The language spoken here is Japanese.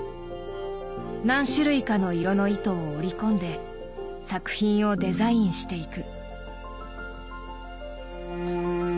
何種類かの色の糸を織り込んで作品をデザインしていく。